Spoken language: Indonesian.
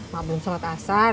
mak belum sholat asar